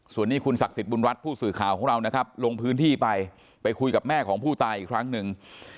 ส่วนนี้คุณศักดิ์สิทธิบุญรัฐผู้สื่อข่าวของเรานะครับลงพื้นที่ไปไปคุยกับแม่ของผู้ตายอีกครั้งหนึ่ง